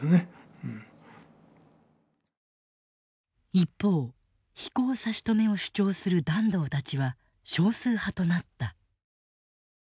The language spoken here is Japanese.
一方飛行差し止めを主張する團藤たちは少数派となった。